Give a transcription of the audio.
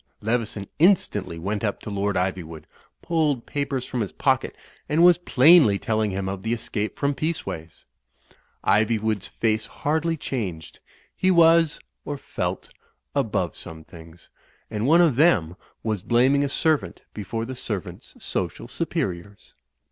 Leveson instantly went up to Lord Ivywood, pulled papers from his pocket and was plainly telling him of the escape from Peaceways. Ivywood's face hardly changed; he was, or felt, above some things; and onj of them was blaming a servant before the servant's u,y,u.«u by Google THE TURK AND THE FUTURISTS 251 social superiors.